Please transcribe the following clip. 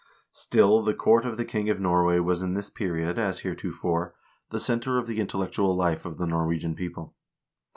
Still the court of the king of Norway was in this period, as heretofore, the center of the intellectual life of the Norwegian people.